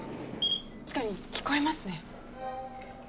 確かに聞こえますね。